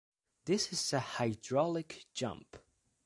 This is a hydraulic jump.